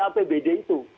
kalau ppd itu